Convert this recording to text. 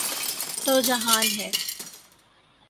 تو جہان ہے۔